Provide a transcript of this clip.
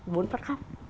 muốn phát khóc